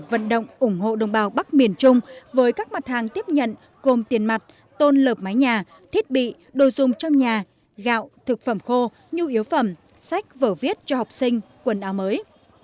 vận động ủng hộ đồng bào bắc miền trung với các mặt hàng tiếp nhận gồm tiền mặt tôn lợp mái nhà thiết bị đồ dùng trong nhà gạo thực phẩm khô nhu yếu phẩm sách vở viết cho học sinh quần áo mới